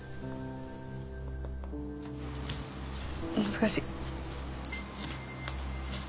難しい。